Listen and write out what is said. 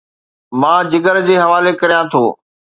مان جگر جي حوالي ڪريان ٿو